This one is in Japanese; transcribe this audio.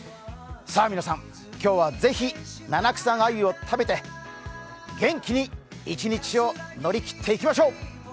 さあ皆さん、今日はぜひ七草がゆを食べて元気に一日を乗り切っていきましょう！